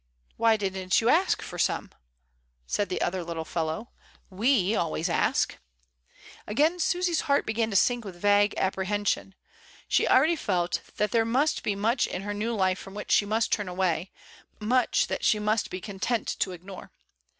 "Why didn't you ask for some?" said the other little fellow. We always ask." Again Susy's heart began to sink with vague apprehension. She already felt that there must be much in her new life from which she must turn away, much that she must be content to ignore.